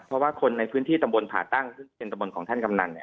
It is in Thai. เพราะว่าคนในพื้นที่ตำบลผ่าตั้งเช่นตำบลของท่านกำนัน